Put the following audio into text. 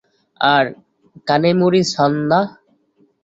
আরে, কানেমোরি-সান না?